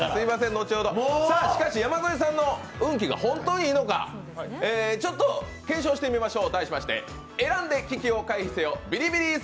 しかし山添さんの運気が本当にいいのか検証してみましょう。